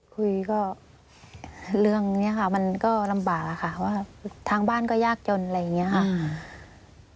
คุยก็เรื่องนี้ค่ะมันก็ลำบากค่ะว่าทางบ้านก็ยากจนอะไรอย่างนี้ค่ะ